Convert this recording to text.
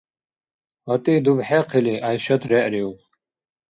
ГьатӀи дубхӀехъили, ГӀяйшат регӀриуб.